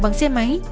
bằng xe máy